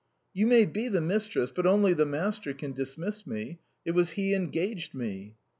"You may be the mistress, but only the master can dismiss me. It was he engaged me."